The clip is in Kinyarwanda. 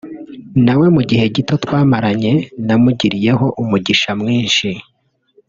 nawe mu gihe gito twamaranye namugiriyeho umugisha mwinshi